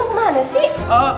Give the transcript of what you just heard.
ustaz mah kemana sih